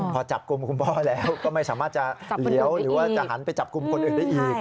พอจับกลุ่มคุณพ่อแล้วก็ไม่สามารถจะเหลียวหรือว่าจะหันไปจับกลุ่มคนอื่นได้อีก